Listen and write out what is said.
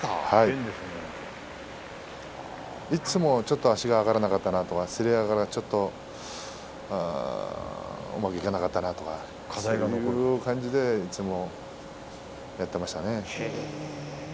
いつもちょっと足が上がらなかったなとかせり上がりがちょっとうまくいかなかったなとかそういう感じでやっていましたね。